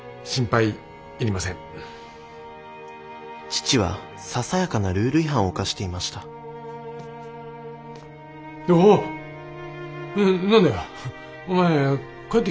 父はささやかなルール違反を犯していましたおおっ！